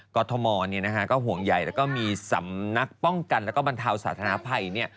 กรทมก็ห่วงใหญ่แล้วก็มีสำนักป้องกันแล้วก็บรรเทาสาธารณภัย